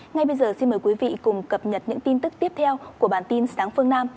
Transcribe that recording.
ngay bây giờ xin mời quý vị cùng cập nhật những tin tức tiếp theo của bản tin sáng phương nam